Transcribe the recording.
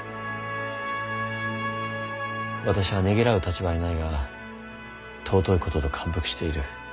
私はねぎらう立場にないが尊いことと感服している。